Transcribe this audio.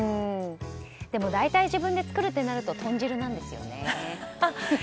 大体、自分で作るとなると豚汁なんですよね。